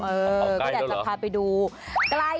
เออก็แท่จะพาไปดูผมใกล้แล้วเหรอ